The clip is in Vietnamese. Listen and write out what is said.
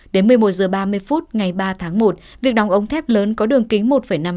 đến một mươi một h ba mươi phút ngày ba tháng một việc đóng ống thép lớn có đường kính một năm m